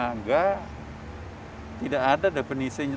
enggak tidak ada definisinya